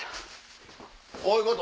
こういうこと？